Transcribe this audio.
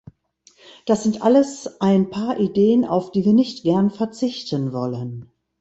Das sind alles ein paar Ideen, auf die wir nicht gern verzichten wollen.